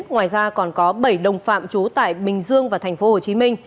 ngoài ra còn có bảy đồng phạm trú tại bình dương và tp hcm